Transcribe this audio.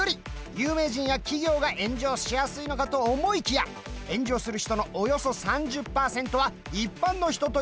有名人や企業が炎上しやすいのかと思いきや炎上する人のおよそ３０％は一般の人というデータも。